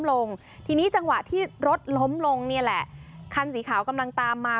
ลงทีนี้จังหวะที่รถล้มลงเนี่ยแหละคันสีขาวกำลังตามมา